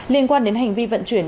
liên quan đến hành vi vận chuyển